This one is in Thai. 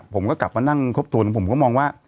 ผมก็กลับมานั่งครบถวนผมก็มองว่า